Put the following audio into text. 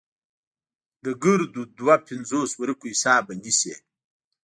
د ګردو دوه پينځوس ورقو حساب به نيسې.